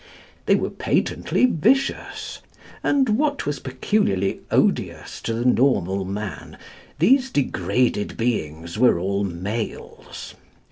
They were patently vicious; and (what was peculiarly odious to the normal man) these degraded beings were all males.